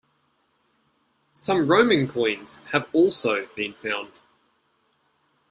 Some Roman coins have also been found.